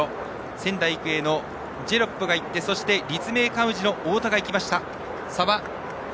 仙台育英のジェロップがいってそして立命館宇治の太田も行った。